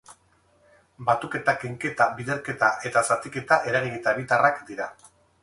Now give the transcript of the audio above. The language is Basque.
Batuketa, kenketa, biderketa eta zatiketa eragiketa bitarrak dira.